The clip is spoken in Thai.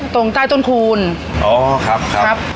ตรงใต้ต้นคูณอ๋อครับครับ